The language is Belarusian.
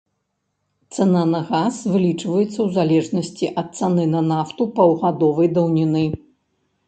Цана на газ вылічваецца ў залежнасці ад цаны на нафту паўгадавой даўніны.